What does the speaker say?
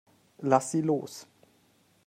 Lass sie los.